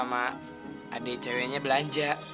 mama sama adik ceweknya belanja